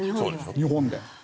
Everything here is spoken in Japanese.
日本で。